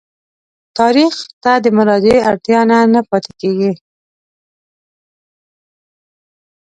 تاریخ ته د مراجعې اړتیا نه پاتېږي.